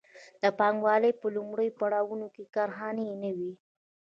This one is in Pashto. د پانګوالۍ په لومړیو پړاوونو کې کارخانې نه وې.